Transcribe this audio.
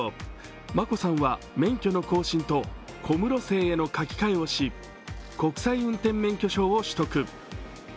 眞子さんは免許の更新と小室姓への書き換えをし、国際運転免許証を取得。